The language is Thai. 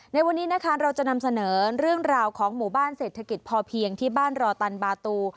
ในวันนี้นะคะเราจะนำเสนอเรื่องราวของหมู่บ้านเศรษฐกิจพอเพียงที่บ้านรอตันบาตู